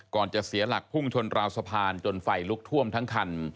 จะเสียหลักพุ่งชนราวสะพานจนไฟลุกท่วมทั้งคัน